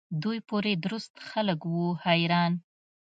دوی پوري درست خلق وو حیران.